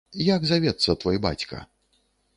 Як завецца твой бацька?